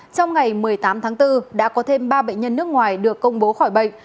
trong ngày một mươi tám tháng bốn đã có thêm ba bệnh nhân nước ngoài được công bố khỏi bệnh